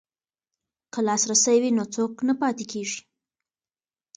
که لاسرسی وي نو څوک نه پاتې کیږي.